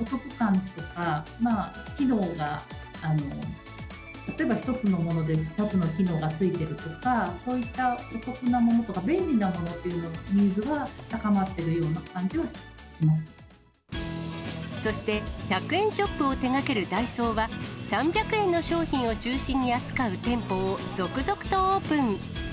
お得感とか、機能が、例えば１つのもので、２つの機能がついているとか、こういったお得なものとか便利なもののニーズが高まっているようそして、１００円ショップを手がけるダイソーは、３００円の商品を中心に扱う店舗を、続々とオープン。